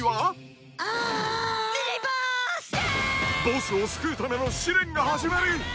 ［ボスを救うための試練が始まる］